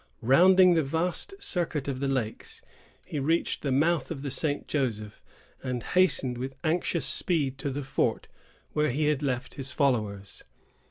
Rounding the vast circuit of the lakes, he reached the mouth of the St. Joseph, and hastened with anxious speed to the fort where he had left his followers.